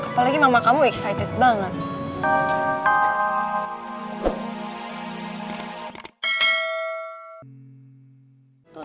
apalagi mama kamu excited banget